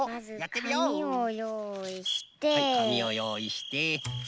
かみをよういして。